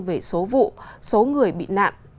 về số vụ số người bị nạn